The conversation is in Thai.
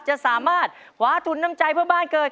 จะสามารถคว้าทุนน้ำใจเพื่อบ้านเกิด